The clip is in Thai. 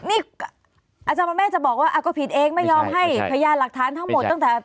นี่อาจารย์ประเภทจะบอกว่าก็ผิดเองไม่ยอมให้พยานหลักฐานทั้งหมดตั้งแต่